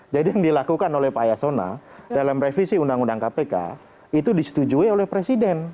yang dilakukan oleh pak yasona dalam revisi undang undang kpk itu disetujui oleh presiden